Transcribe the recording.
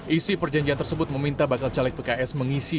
isi perjanjian tersebut meminta bakal caleg pks mengisi